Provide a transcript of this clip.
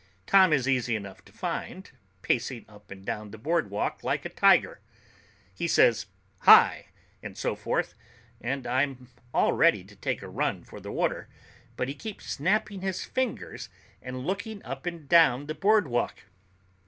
Tom is easy enough to find, pacing up and down the boardwalk like a tiger. We say "Hi" and so forth, and I'm all ready to take a run for the water, but he keeps snapping his fingers and looking up and down the boardwalk.